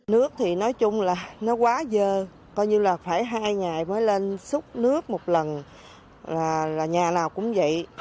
nước thì nói chung là nó quá dơ coi như là phải hai ngày mới lên xúc nước một lần là nhà nào cũng vậy